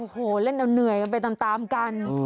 โอ้โหเล่นเอาเหนื่อยกันไปตามกัน